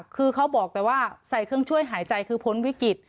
คือเขาบอกแต่ว่าใส่เครื่องช่วยหายใจคือพ้นวิกฤต